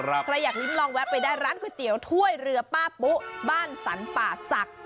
ครับน้องใครอยากลิ้มลองแวะไปได้ร้านก๋วยเตี๋ยวถ้วยเรือปป๊าปุบ้านสันป่าสัก